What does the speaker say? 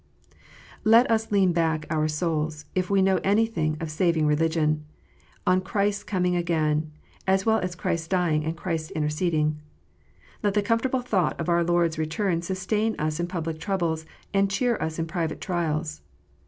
Let us lean back our souls, if we know anything of saving religion, on Christ s coming again, as well as Christ dying and Christ interceding. Let the comfortable thought of our Lord s return sustain us in public troubles, and cheer us in private trials.